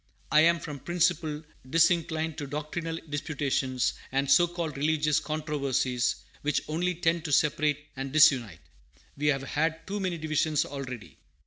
I am, from principle, disinclined to doctrinal disputations and so called religious controversies, which only tend to separate and disunite. We have had too many divisions already.